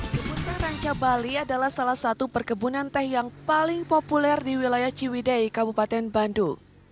kebun teh ranca bali adalah salah satu perkebunan teh yang paling populer di wilayah ciwidei kabupaten bandung